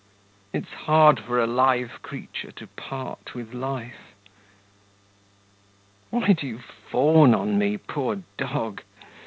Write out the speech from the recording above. It's hard for a live creature to part with life! Why do you fawn on me, poor dog?